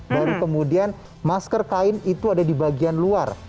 baru kemudian masker kain itu ada di bagian luar